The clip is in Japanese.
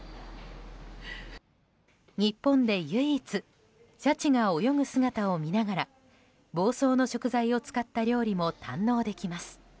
日本で唯一シャチが泳ぐ姿を見ながら房総の食材を使った料理も堪能できます。